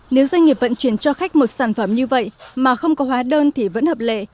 nếu doanh nghiệp vận chuyển cho khách một sản phẩm như vậy mà không có hóa đơn thì vẫn hợp lệ